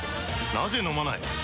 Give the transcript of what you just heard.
なぜ飲まない？